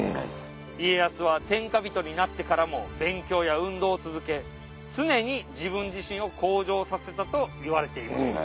家康は天下人になってからも勉強や運動を続け常に自分自身を向上させたといわれています。